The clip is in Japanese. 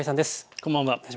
こんばんは。